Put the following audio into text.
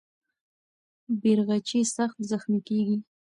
بیرغچی سخت زخمي کېږي.